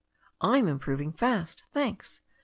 *Tm improving fast, thanks."